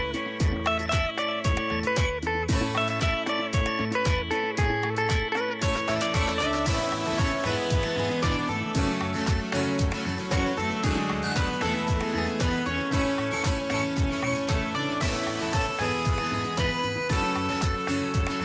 โปรดติดตามตอนต่อไป